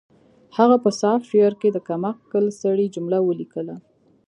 هغه په سافټویر کې د کم عقل سړي جمله ولیکله